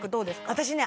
私ね